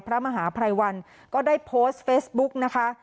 พระมหาภัยวันก็ได้โพสต์เฟซบุ๊กนะคะ